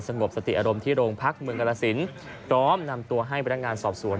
งบสติอารมณ์ที่โรงพักเมืองกรสินพร้อมนำตัวให้พนักงานสอบสวน